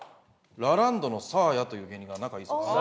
ラランドのサーヤという芸人が仲いいそうです。